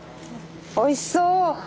おいしそう。